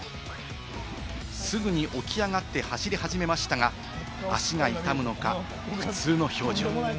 すぐに起き上がって走り始めましたが、足が痛むのか、苦痛の表情。